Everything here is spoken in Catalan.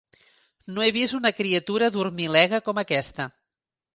No he vist una criatura dormilega com aquesta!